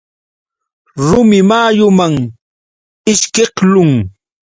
Rumi mayuman ishkiqlun.